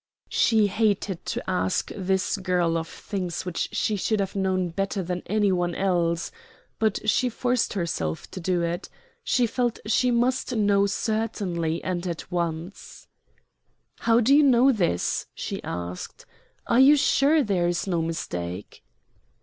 She hated to ask this girl of things which she should have known better than any one else. But she forced herself to do it. She felt she must know certainly and at once. "How do you know this?" she asked. "Are you sure there is no mistake?"